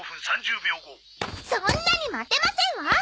そんなに待てませんわ！